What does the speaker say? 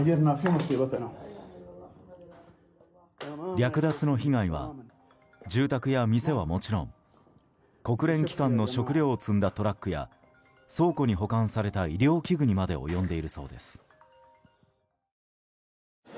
略奪の被害は住宅や店はもちろん国連機関の食料を積んだトラックや倉庫に保管された医療器具にまで及んでいるそうです。